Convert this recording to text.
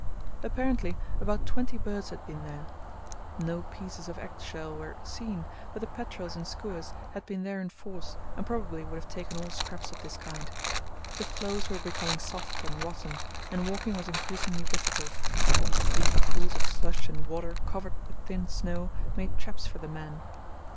Apparently about twenty birds had been there. No pieces of egg shell were seen, but the petrels and skuas had been there in force and probably would have taken all scraps of this kind. The floes were becoming soft and "rotten," and walking was increasingly difficult. Deep pools of slush and water covered with thin snow made traps for the men.